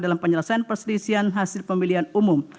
dalam penyelesaian perselisihan hasil pemilihan umum